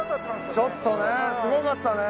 ちょっとねすごかったね。